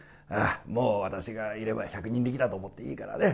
もう、私がいれば百人力だと思っていいからね。